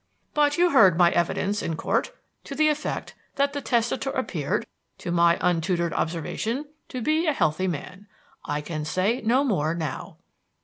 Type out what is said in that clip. But you heard my evidence in Court, to the effect that the testator appeared, to my untutored observation, to be a healthy man. I can say no more now."